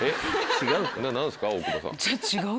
違う？